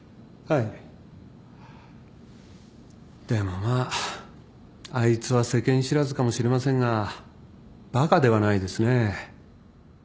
でもまああいつは世間知らずかもしれませんがバカではないですね